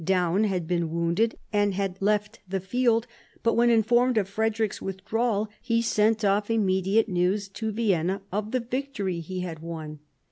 Daun had been wounded and had left the field, but when informed of Frederick's withdrawal he sent off immediate news to Vienna of the victory he had won.